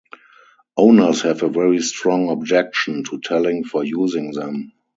Owners have a very strong objection to telling or using them.